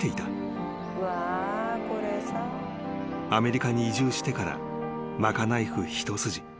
［アメリカに移住してから賄い婦一筋］